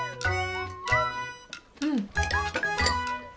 うん。